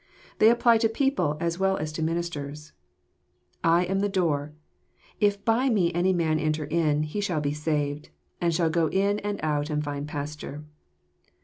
They apply to people as well as to ministers. "I am the door : by me if any man enter in, he shall be saved, i j^ and shall go in and out, and find pasture."